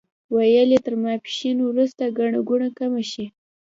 ویل یې تر ماسپښین وروسته ګڼه ګوڼه کمه شي.